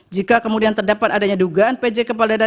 jika kemudian terdapat adanya dugaan pj kepala daerah